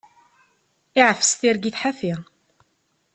Yeɛfes tirgit ḥafi.